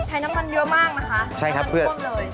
อันนี้คือใช้น้ำมันเยอะมากนะคะ